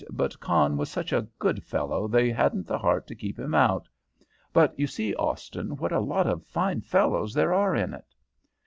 'But Con was such a good fellow they hadn't the heart to keep him out; but you see, Austin, what a lot of fine fellows there are in it.'